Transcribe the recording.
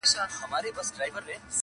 د سړیو سره خواته مقبره کي,